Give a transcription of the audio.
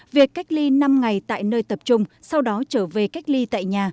việc cách ly năm ngày tại nơi tập trung sau đó trở về cách ly tại nhà